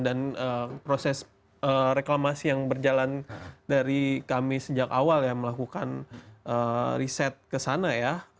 dan proses reklamasi yang berjalan dari kami sejak awal ya melakukan riset ke sana ya